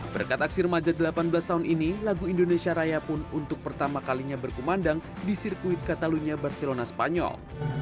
berkat aksi remaja delapan belas tahun ini lagu indonesia raya pun untuk pertama kalinya berkumandang di sirkuit catalunya barcelona spanyol